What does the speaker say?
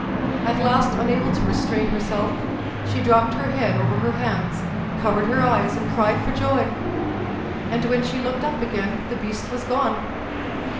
At last, unable to restrain herself, she dropped her head over her hands, covered her eyes, and cried for joy; and, when she looked up again, the beast was gone.